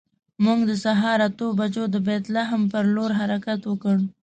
موږ د سهار اتو بجو د بیت لحم پر لور حرکت وکړ.